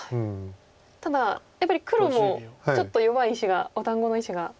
ただやっぱり黒もちょっと弱い石がお団子の石が。